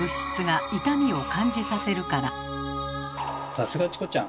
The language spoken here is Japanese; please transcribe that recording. さすがチコちゃん！